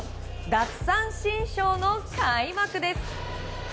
奪三振ショーの開幕です。